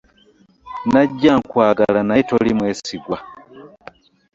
Najja nkwagala naye toli mwesigwa.